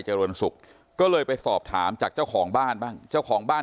เรินสุขก็เลยไปสอบถามจากเจ้าของบ้านบ้างเจ้าของบ้าน